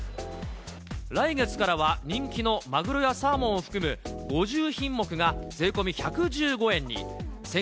来月からは、人気のマグロやサーモンを含む５０品目が税込み１１５円に。